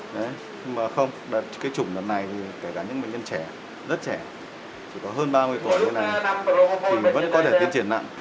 nhưng mà không cái chủng lần này thì kể cả những bệnh nhân trẻ rất trẻ chỉ có hơn ba mươi tuổi như thế này thì vẫn có thể tiến triển nặng